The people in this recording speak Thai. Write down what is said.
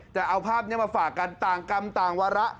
แต่เอาภาพนี้มาฝากกันต่างกรรมต่างวาระ